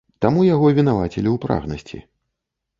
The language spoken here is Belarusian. Таму яго вінавацілі ў прагнасці.